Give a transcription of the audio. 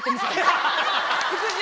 服従？